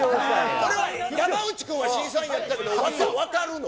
これは山内君は審査員やってたけど、分かるの？